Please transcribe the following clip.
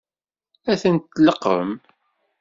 Ad tent-tleqqem?